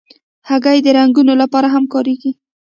هګۍ د رنګونو لپاره هم کارېږي.